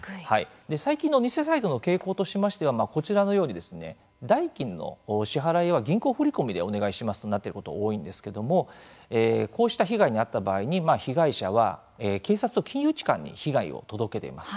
最近の偽サイトの傾向としましてこちらのように、代金の支払いは銀行振り込みでお願いしますとなっていることが多いんですけどもこうした被害に遭った場合に被害者は、警察と金融機関に被害を届け出ます。